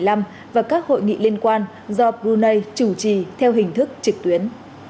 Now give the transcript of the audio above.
do brunei chủ trì theo hình thức trực tuyến